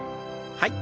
はい。